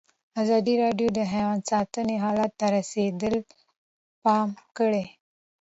ازادي راډیو د حیوان ساتنه حالت ته رسېدلي پام کړی.